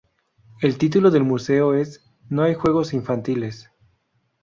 El título del Museo es "No hay juegos infantiles".